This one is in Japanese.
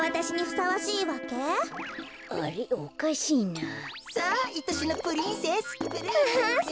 さあいとしのプリンセス。